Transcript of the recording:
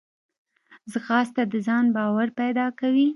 ځغاسته د ځان باور پیدا کوي